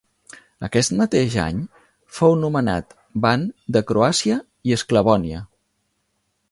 Aquest mateix any fou nomenat ban de Croàcia i Esclavònia.